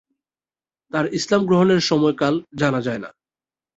তার ইসলাম গ্রহণের সময়কাল জানা যায়না।